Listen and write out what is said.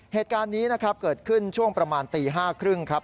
เหตุการณ์นี้นะครับเกิดขึ้นช่วงประมาณตี๕๓๐ครับ